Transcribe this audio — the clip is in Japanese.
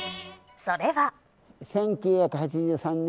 それは。